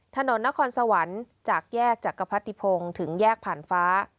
ถนนนครสวรรค์จากแยกจักรพรรติพงศ์ถึงแยกผ่านฟ้า